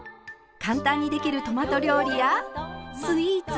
簡単にできるトマト料理やスイーツ。